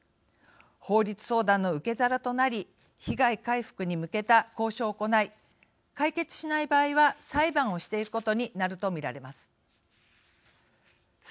法律相談の受け皿となり被害回復に向けた交渉を行い解決しない場合は裁判をしていくことになると見られます。